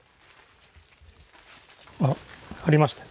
あっありました。